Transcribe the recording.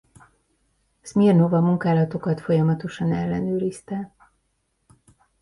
Szmirnov a munkálatokat folyamatosan ellenőrizte.